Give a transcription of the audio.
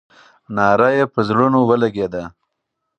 ناره یې پر زړونو ولګېده.